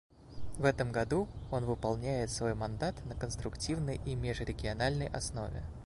В этом году он выполняет свой мандат на конструктивной и межрегиональной основе.